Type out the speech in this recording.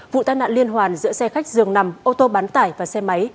vụ tai nạn liên hoàn giữa xe khách dường nằm ô tô bán tải và xe máy